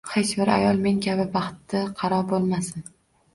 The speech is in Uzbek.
Hech bir ayol men kabi baxti qaro bo`lmasin